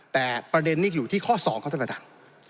แต่ประเด็นนี้อยู่ที่ข้อ๒ข้อที่สำหรับท่าน